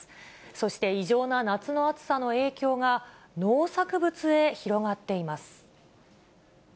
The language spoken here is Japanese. そして、異常な夏の暑さの影響が、農作物へ広がっています。